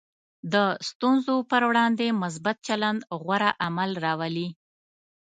د ستونزو پر وړاندې مثبت چلند غوره حل راولي.